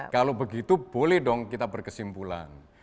kalau begitu boleh dong kita berkesimpulan